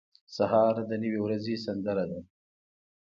سهار د نوې ورځې سندره ده.